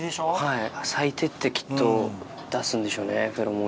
咲いてってきっと出すんでしょうね